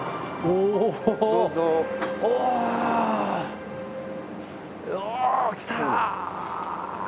おおきた！